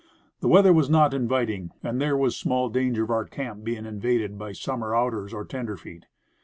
The weather was not inviting, and there was small danger of our camp being invaded by summer outers or tenderfeet.